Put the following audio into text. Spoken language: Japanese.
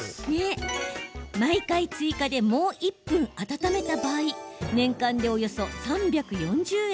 毎回追加で、もう１分温めた場合年間でおよそ３４０円